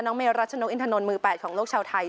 น้องเมย์รัชนกอินทนลมือแปดของโลกชาวไทย